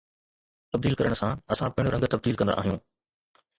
تبديل ڪرڻ سان، اسان پڻ رنگ تبديل ڪندا آهيون